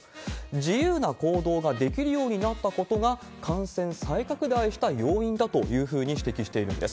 自由な行動ができるようになったことが感染再拡大した要因だというふうに指摘しているんです。